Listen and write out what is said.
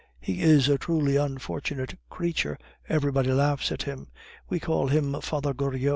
He is a truly unfortunate creature, everybody laughs at him we all call him 'Father Goriot.